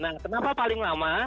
nah kenapa paling lama